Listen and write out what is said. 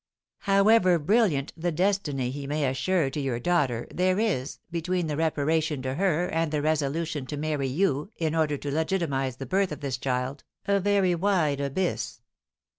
"However brilliant the destiny he may assure to your daughter, there is, between the reparation to her and the resolution to marry you in order to legitimise the birth of this child, a very wide abyss."